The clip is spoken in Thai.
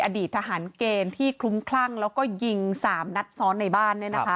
อดีตทหารเกณฑ์ที่คลุ้มคลั่งแล้วก็ยิง๓นัดซ้อนในบ้าน